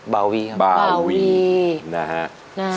บาวีครับ